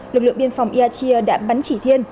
lực lượng biên phòng ia chi đã bắn chỉ thiên